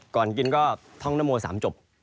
ก่อนกินก็ท่องน้ำโมสามจบ